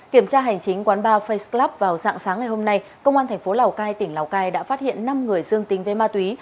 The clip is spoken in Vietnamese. kiểm tra hành chính quán ba flub vào dạng sáng ngày hôm nay công an thành phố lào cai tỉnh lào cai đã phát hiện năm người dương tính với ma túy